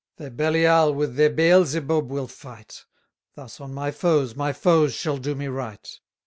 Their Belial with their Beelzebub will fight: Thus on my foes, my foes shall do me right.